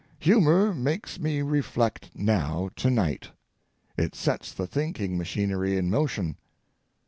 Humor makes me reflect now to night, it sets the thinking machinery in motion.